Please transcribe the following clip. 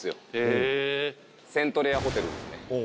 セントレアホテルですね。